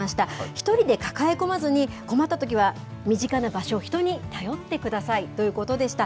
１人で抱え込まずに、困ったときは身近な場所、人に頼ってくださいということでした。